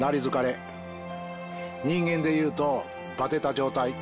人間でいうとバテた状態。